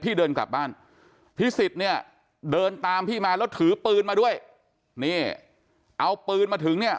เดินกลับบ้านพิสิทธิ์เนี่ยเดินตามพี่มาแล้วถือปืนมาด้วยนี่เอาปืนมาถึงเนี่ย